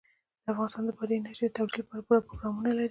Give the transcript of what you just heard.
افغانستان د بادي انرژي د ترویج لپاره پوره پروګرامونه لري.